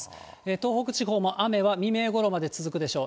東北地方も雨は未明ごろまで続くでしょう。